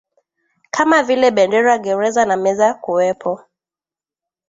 kama vile bendera gereza na meza Kuwepo